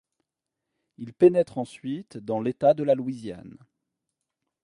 Il pénètre ensuite dans l'État de la Louisiane.